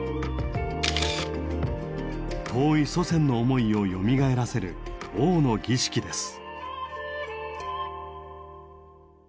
遠い祖先の思いをよみがえらせる王の儀式です。